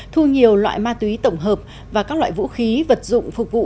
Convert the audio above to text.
thu nhiều loại ma túy tổng hợp và các loại vũ khí vật dụng phục vụ